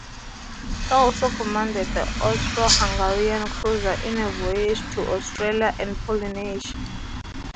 He also commanded the Austro-Hungarian cruiser in a voyage to Australia and Polynesia.